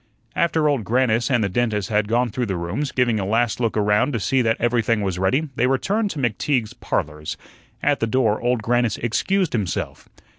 After Old Grannis and the dentist had gone through the rooms, giving a last look around to see that everything was ready, they returned to McTeague's "Parlors." At the door Old Grannis excused himself.